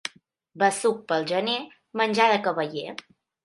Besuc pel gener, menjar de cavaller.